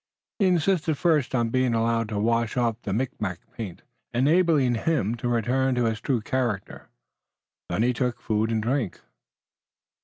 He insisted first on being allowed to wash off the Micmac paint, enabling him to return to his true character. Then he took food and drink.